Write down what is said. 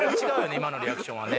今のリアクションはね